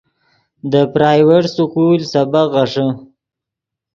دے پرائیویٹ سکول سبق غیݰے